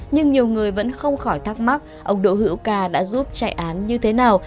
nhưng nhiều người vẫn không khỏi thắc mắc ông đỗ hữu ca đã giúp chạy án như thế nào